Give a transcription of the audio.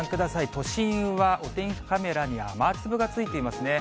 都心はお天気カメラに雨粒がついていますね。